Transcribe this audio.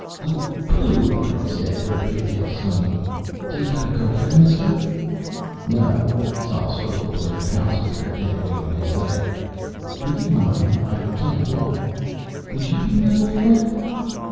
"Oh, pooh," the girl said, her pigtails swinging. "Do you got a girlfriend, mister?" "No." Sol struggled towards the house with her dead weight on his leg. "Would you mind? I can't walk." "Would you be my boyfriend?"